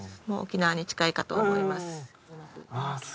もう沖縄に近いかと思いますわあ